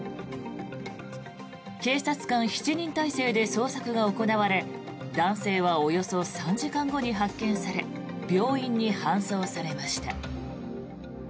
警察官７人態勢で捜索が行われ男性はおよそ３時間後に発見され病院に搬送されました。